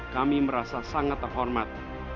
kami merasa sangat terhormat